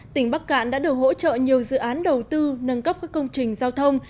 tỉnh bắc cạn đã được hỗ trợ nhiều dự án đầu tư nâng cấp các công trình giao thông